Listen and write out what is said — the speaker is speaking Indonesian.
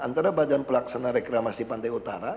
antara badan pelaksana reklamasi pantai utara